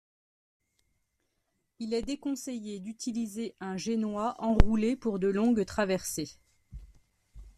Il est déconseillé d'utiliser un génois enroulé pour de longues traversées.